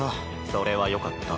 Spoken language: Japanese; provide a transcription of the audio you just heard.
それはよかった。